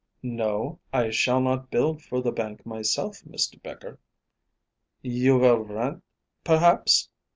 "No, I shall not build for the bank myself, Mr. Becher." "You will rent, perhaps?"